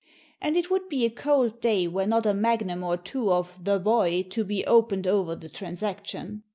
And it would be a cold day were not a magnum or two of "the Boy" to be opened over the transaction.